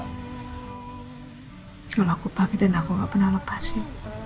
kalau aku pakai dan aku gak pernah lepas ya